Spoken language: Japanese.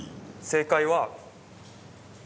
正解は。